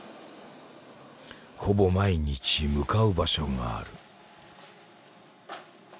ほぼ毎日向かう場所がある。